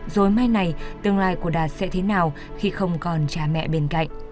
rồi mai này tương lai của đạt sẽ thế nào khi không còn cha mẹ bên cạnh